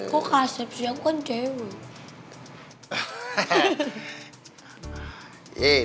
kok kasep sih aku kan cewek